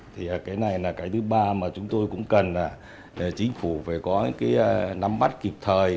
thì cái này là cái thứ ba mà chúng tôi cũng cần là chính phủ phải có cái nắm bắt kịp thời